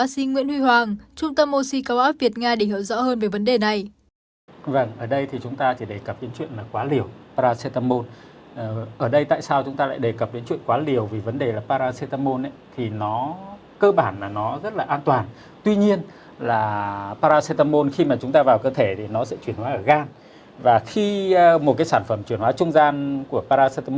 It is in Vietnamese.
cùng lắng nghe những chia sẻ của bác sĩ nguyễn huy hoàng trung tâm oxycoop việt nga để hiểu rõ hơn về vấn đề này